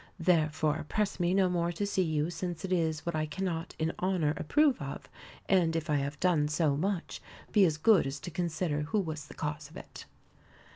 Therefore press me no more to see you, since it is what I cannot in honour approve of; and if I have done so much, be as good as to consider who was the cause of it."